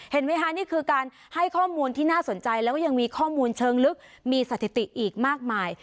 เห็นไหมคะนี่คือการให้ข้อมูลที่น่าสนใจแล้วก็ยังมีข้อมูลเชิงลึกมีสถิติอีกมากมาย